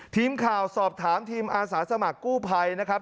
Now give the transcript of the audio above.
ทีมข่าวสอบถามทีมอาสาสมัครกู้ภัยนะครับ